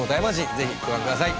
ぜひご覧ください。